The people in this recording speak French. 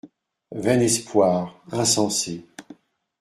Vain espoir, insensé.